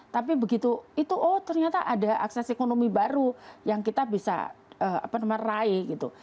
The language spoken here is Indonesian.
tapi begitu itu oh ternyata ada akses ekonomi baru yang kita bisa meraih gitu